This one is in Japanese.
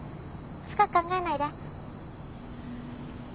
深く考えないで。